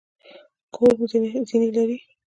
کور مو زینې لري؟